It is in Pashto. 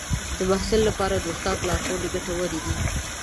د محصل لپاره د استاد لارښوونې ګټورې دي.